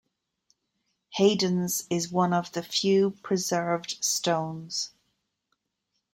Haydon's is one of the few preserved stones.